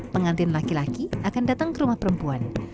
pengantin laki laki akan datang ke rumah perempuan